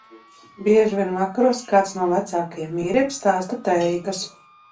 Bieži vien vakaros kāds no vecākajiem vīriem stāsta teikas.